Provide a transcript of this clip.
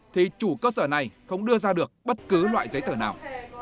thì chủ cơ sở này không đưa ra được bất cứ loại giấy tờ nào